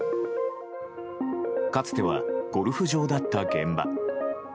かつてはゴルフ場だった現場。